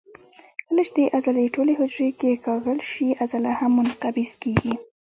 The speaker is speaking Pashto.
کله چې د عضلې ټولې حجرې کیکاږل شي عضله هم منقبض کېږي.